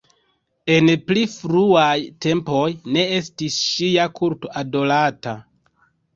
En pli fruaj tempoj ne estis ŝia kulto adorata.